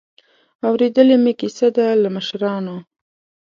اورېدلې مې کیسه ده له مشرانو.